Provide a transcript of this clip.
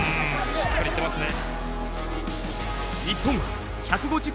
しっかり止めてますね。